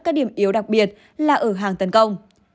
các điểm yếu đặc biệt là ở hàng tấn công